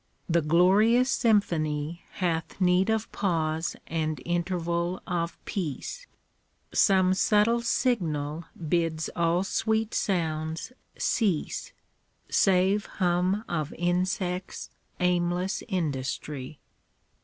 The glorious symphony Hath need of pause and interval of peace. Some subtle signal bids all sweet sounds cease, Save hum of insects' aimless industry.